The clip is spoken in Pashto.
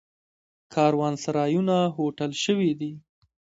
کاروانسرایونه هوټل شوي دي.